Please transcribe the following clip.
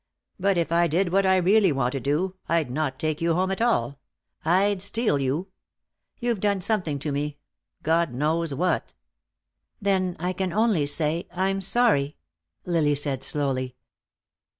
But if I did what I really want to do, I'd not take you home at all. I'd steal you. You've done something to me, God knows what." "Then I can only say I'm sorry," Lily said slowly.